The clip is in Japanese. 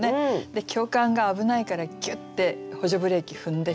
教官が危ないからギュッて補助ブレーキ踏んでしまった。